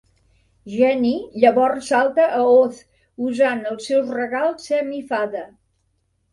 Jenny llavors salta a Oz usant els seus regals semi-fada.